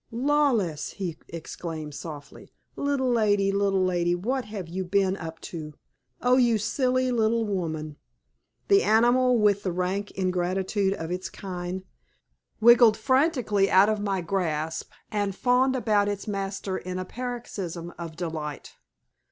"Lawless," he exclaimed, softly "little lady, little lady, what have you been up to? Oh, you silly little woman!" The animal, with the rank ingratitude of its kind, wriggled frantically out of my grasp and fawned about its master in a paroxysm of delight.